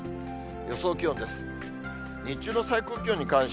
予想気温です。